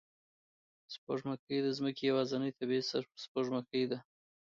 سپوږمۍ د ځمکې یوازینی طبیعي سپوږمکۍ ده